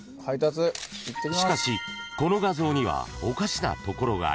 ［しかしこの画像にはおかしなところがあります］